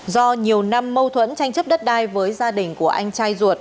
do nhiều năm mâu thuẫn tranh chấp đất đai với gia đình của anh trai ruột